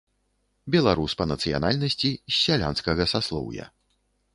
Беларус па нацыянальнасці, з сялянскага саслоўя.